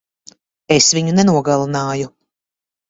Es viņu nenogalināju.